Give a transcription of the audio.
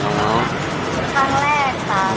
สวัสดีทุกคน